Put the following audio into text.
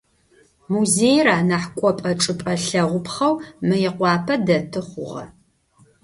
Музеир анахь кӏопӏэ-чӏыпӏэ лъэгъупхъэу Мыекъуапэ дэты хъугъэ.